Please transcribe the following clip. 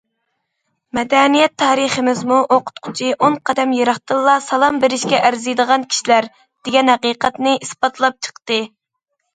مەدەنىيەت تارىخىمىزمۇ‹‹ ئوقۇتقۇچى ئون قەدەم يىراقتىنلا سالام بېرىشكە ئەرزىيدىغان كىشىلەر›› دېگەن ھەقىقەتنى ئىسپاتلاپ چىقتى.